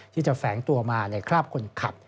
ที่จะแฝงตัวมาในคราบคนขับ